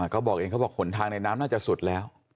เขาบอกเองเขาบอกหนทางในน้ำน่าจะสุดแล้ว